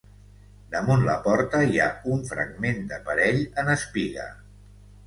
Damunt la porta hi ha un fragment d'aparell en espiga.